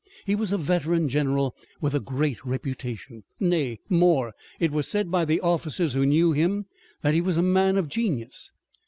He was a veteran general with a great reputation. Nay, more, it was said by the officers who knew him that he was a man of genius.